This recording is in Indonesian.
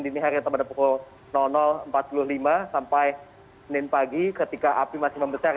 di hari yang sama ada pukul empat puluh lima sampai senin pagi ketika api masih membesar